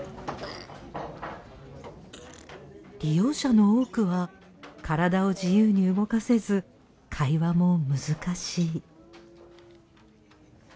利用者の多くは体を自由に動かせず会話も難しい。